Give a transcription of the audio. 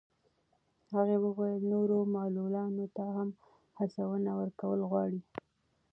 هغه وویل نورو معلولانو ته هم هڅونه ورکول غواړي.